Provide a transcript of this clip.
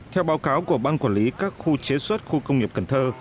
theo báo cáo của ban quản lý các khu chế xuất khu công nghiệp cần thơ